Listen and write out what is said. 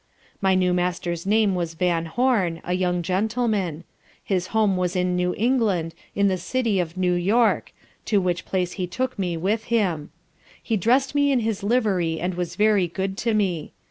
My new master's name was Vanhorn, a young Gentleman; his home was in New England in the City of New York; to which place he took me with him. He dress'd me in his livery, and was very good to me.